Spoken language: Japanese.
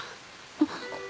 あっ。